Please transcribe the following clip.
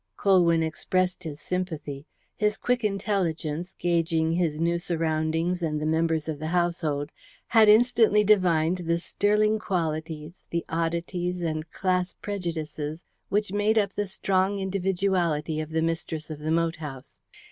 Colwyn expressed his sympathy. His quick intelligence, gauging his new surroundings and the members of the household, had instantly divined the sterling qualities, the oddities, and class prejudices which made up the strong individuality of the mistress of the moat house.